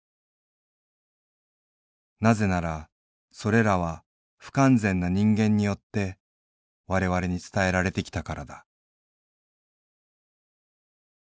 なぜならそれらは不完全な人間によって我々に伝えられてきたからだ」。